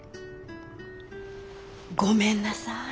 ごめんなさい。